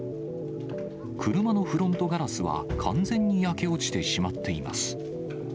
車のフロントガラスは完全に焼け落ちてしまっています。